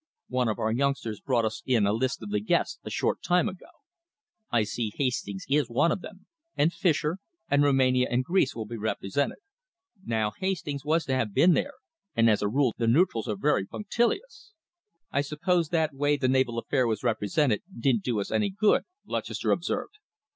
One of our youngsters brought us in a list of the guests a short time ago. I see Hastings is one of them, and Fischer, and Rumania and Greece will be represented. Now Hastings was to have been here, and as a rule the neutrals are very punctilious." "I suppose the way that naval affair was represented didn't do us any good," Lutchester observed.